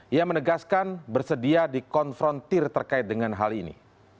ia menegaskan bersedia dikonfrontir terkait dengan hal ini